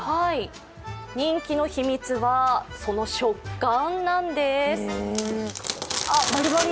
人気の秘密は、その食感なんです。